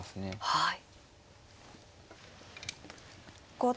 はい。